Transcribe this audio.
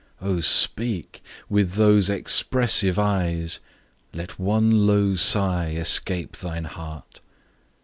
O speak with those expressive eyes! Let one low sigh escape thine heart.